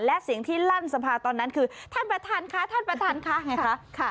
และเสียงที่ลั่นสภาตอนนั้นคือท่านประธานค่ะท่านประธานค่ะไงคะ